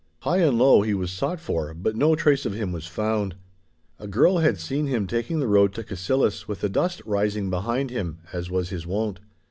High and low he was sought for, but no trace of him was found. A girl had seen him taking the road to Cassillis with the dust rising behind him, as was his wont.